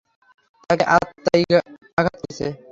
তাকে আততায়ী আঘাত করেছে।